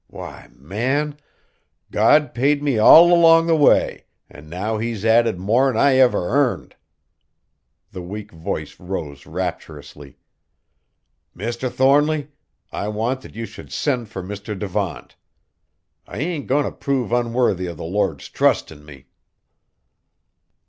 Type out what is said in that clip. Why, man, God paid me all along the way, an' now He's added more'n I ever earned!" The weak voice rose rapturously. "Mr. Thornly, I want that ye should send fur Mr. Devant. I ain't goin' t' prove unworthy o' the Lord's trust in me!"